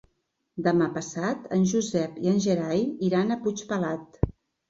Demà passat en Josep i en Gerai iran a Puigpelat.